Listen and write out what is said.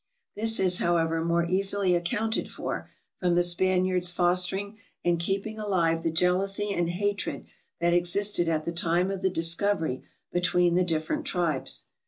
This is, how ever, more easily accounted for, from the Spaniards fostering and keeping alive the jealousy and hatred that existed at the time of the discovery between the different tribes.